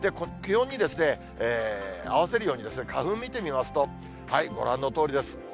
気温に合わせるように、花粉見てみますと、ご覧のとおりです。